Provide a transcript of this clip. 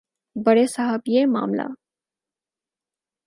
بڑے صاحب یہ معاملہ